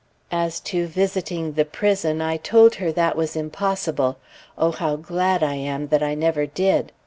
As to visiting the prison, I told her that was impossible. (O how glad I am that I never did!)